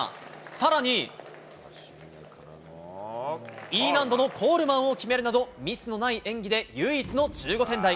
さらに、Ｅ難度のコールマンを決めるなど、ミスのない演技で唯一の１５点台。